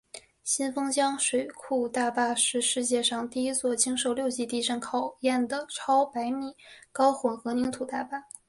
新丰江水库大坝是世界上第一座经受六级地震考验的超百米高混凝土大坝。